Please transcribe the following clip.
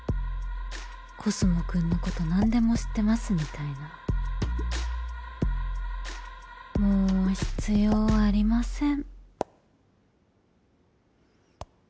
コスモくんのこと何でも知ってますみたいなもう必要ありません